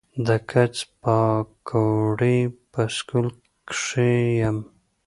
د کڅ پاګوړۍ پۀ سکول کښې يم